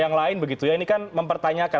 yang lain begitu ya ini kan mempertanyakan